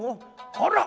「あら！